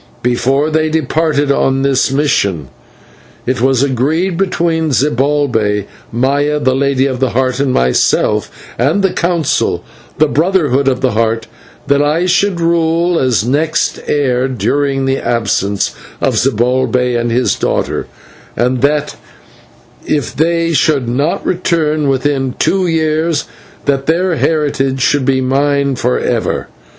Before they departed upon this mission, it was agreed between Zibalbay, Maya, the Lady of the Heart, myself, and the Council, the Brotherhood of the Heart, that I should rule as next heir during the absence of Zibalbay and his daughter, and that if they should not return within two years, then their heritage should be mine for ever.